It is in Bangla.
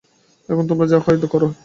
এখন তোমরা যা হয় কর।